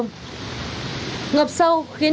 ngập sâu khiến nhiều phương tiện di chuyển